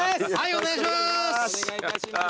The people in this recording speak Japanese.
お願いいたします。